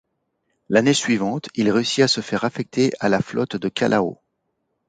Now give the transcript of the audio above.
L'année suivante, il réussit à se faire affecter à la flotte de Callao.